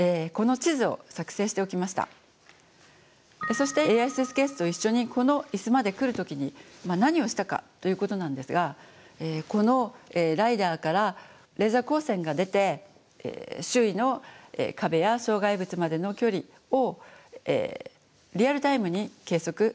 そしてＡＩスーツケースと一緒にこの椅子まで来る時に何をしたかということなんですがこのライダーからレーザー光線が出て周囲の壁や障害物までの距離をリアルタイムに計測しました。